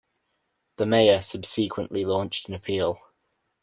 The mayor subsequently launched an appeal.